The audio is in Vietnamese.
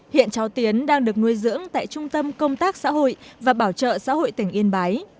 hiện cháu tiến đang được nuôi dưỡng tại trung tâm công tác xã hội và bảo trợ xã hội tỉnh yên bái